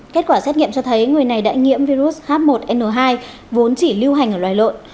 kết quả xét nghiệm cho thấy người này đã nhiễm virus h một n hai vốn chỉ lưu hành ở loài lợn